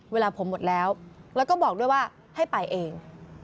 เวลาผมหมดแล้วแล้วก็บอกด้วยว่าให้ไปเอง